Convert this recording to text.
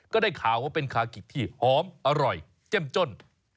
ก็ได้ข่าวว่าเป็นคากิกที่หอมอร่อยเจ้มจ้น